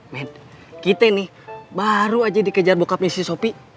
med kita ini baru aja dikejar bokapnya si sopi